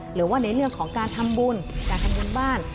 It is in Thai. หรือว่าในเรื่องของการทำบุญการทำบุญบ้าน